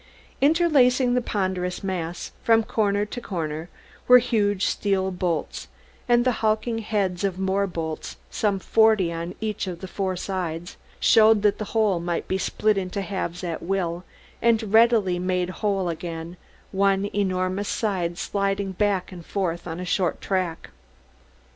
Interlacing the ponderous mass, from corner to corner, were huge steel bolts, and the hulking heads of more bolts, some forty on each of the four sides, showed that the whole might be split into halves at will, and readily made whole again, one enormous side sliding back and forth on a short track.